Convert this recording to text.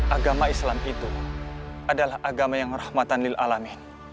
agama islam itu adalah agama yang rahmatan lil'alamin